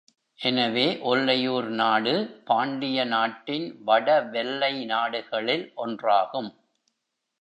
எனவே ஒல்லையூர் நாடு பாண்டிய நாட்டின் வடவெல்லை நாடுகளில் ஒன்றாகும்.